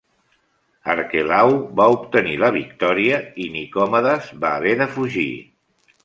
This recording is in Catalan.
Arquelau va obtenir la victòria i Nicomedes va haver de fugir.